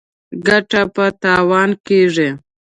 ـ ګټه په تاوان کېږي.